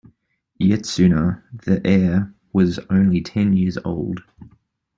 Ietsuna, the heir, was only ten years old.